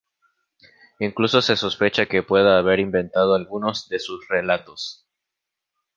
Incluso se sospecha que pueda haber inventado algunos de sus relatos.